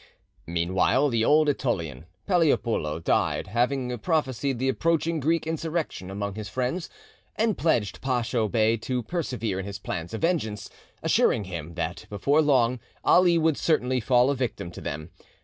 Meanwhile, the old OEtolian, Paleopoulo, died, having prophesied the approaching Greek insurrection among his friends, and pledged Pacho Bey to persevere in his plans of vengeance, assuring him that before long Ali would certainly fall a victim to them.